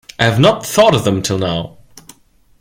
I have not thought of them till now.